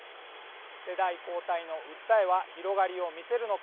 世代交代の訴えは広がりを見せるのか。